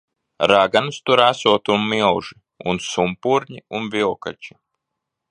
Raganas tur esot un milži. Un sumpurņi un vilkači.